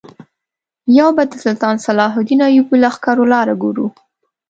یو به د سلطان صلاح الدین ایوبي لښکرو لاره ګورو.